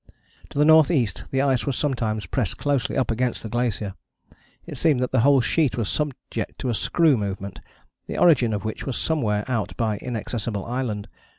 To the north east the ice was sometimes pressed closely up against the glacier. It seemed that the whole sheet was subject to a screw movement, the origin of which was somewhere out by Inaccessible Island.